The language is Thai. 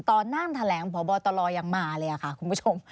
ตอนนั่งแถลงพบตรยังมาเลยค่ะคุณผู้ชม